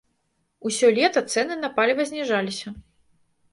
Усё лета цэны на паліва зніжаліся.